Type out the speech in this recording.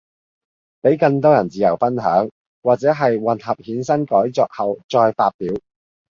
比更多人自由分享，或者係混合衍生改作後再發表